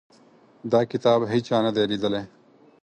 دا کتاب هیچا نه دی لیدلی.